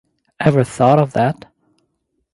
Ever thought of that?